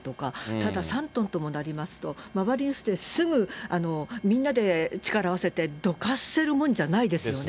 ただ、３トンともなりますと、周り、すぐみんなで力を合わせてどかせるもんじゃないですよね。